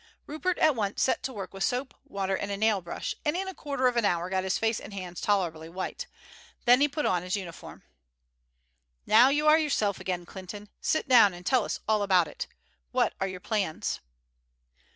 Rupert at once set to work with soap, water, and a nail brush, and in a quarter of an hour got his face and hands tolerably white. Then he put on his uniform. "Now you are yourself again, Clinton. Sit down and tell us all about it. What are your plans?"